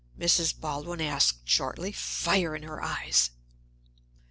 Mrs. Baldwin asked shortly, fire in her eyes.